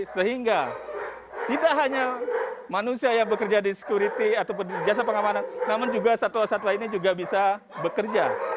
sehingga tidak hanya manusia yang bekerja di security atau jasa pengamanan namun juga satwa satwa lainnya juga bisa bekerja